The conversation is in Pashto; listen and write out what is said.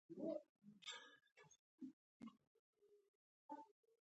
د توکمیز تبیض پر وړاندې مبارز په سترګه کتل کېدل.